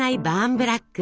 ブラック。